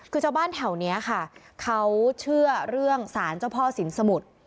คือชาวบ้านแถวนี้ค่ะเขาเชื่อเรื่องสารเจ้าพ่อสินสมุทร